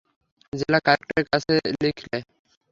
জেলা কালেক্টরের কাছে লিখলে।